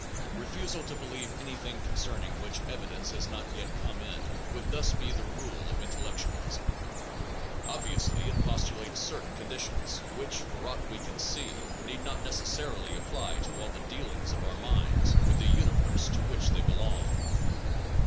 Refusal to believe anything concerning which evidence has not yet come in, would thus be the rule of intellectualism. Obviously it postulates cer tain conditions, which for aught we can see need not necessarily apply to all the dealings of our minds with the Universe to which they belong.